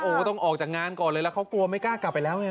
โอ้โหต้องออกจากงานก่อนเลยแล้วเขากลัวไม่กล้ากลับไปแล้วไง